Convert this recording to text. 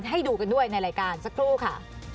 ให้ดูกันด้วยในรายการสักครู่ค่ะ